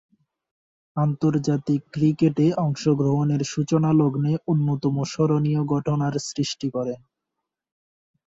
আন্তর্জাতিক ক্রিকেটে অংশগ্রহণের সূচনালগ্নে অন্যতম স্মরণীয় ঘটনার সৃষ্টি করেন।